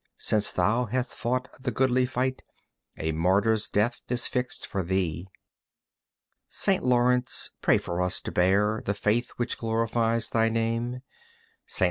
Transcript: Since thou hast fought the goodly fight A martyr's death is fixed for thee. St. Laurence, pray for us to bear The faith which glorifies thy name. St.